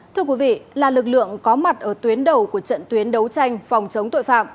thưa quý vị là lực lượng có mặt ở tuyến đầu của trận tuyến đấu tranh phòng chống tội phạm